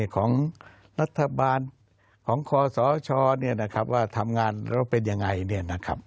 ของรัฐบาลของคศว่าทำงานเราเป็นยังไง